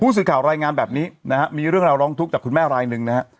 สื่อข่าวรายงานแบบนี้นะฮะมีเรื่องราวร้องทุกข์จากคุณแม่รายหนึ่งนะฮะ